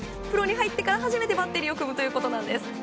プロになってから初めてバッテリーを組むということなんです。